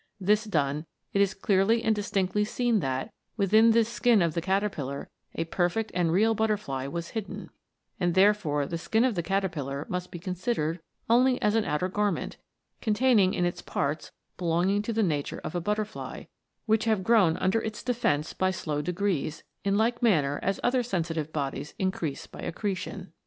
This done, it is clearly and distinctly seen that, within this skin of the cater pillar, a perfect and real bxitterfly was hidden, and therefore the skin of the caterpillar must be con sidered only as an outer garment, containing in it parts belonging to the nature of a butterfly, which have grown under its defence by slow degrees, in like manner as other sensitive bodies increase by accretion.